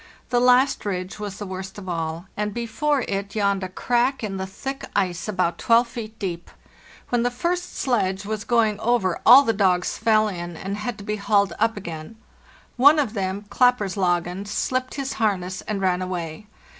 The last ridge was the worst of all, and before it yawned a crack in the thick ice about 12 feet deep. When the first sledge was going over all the dogs fell in and had to be hauled up again. One of them —' Klapperslangen'— slipped his harness and ran away.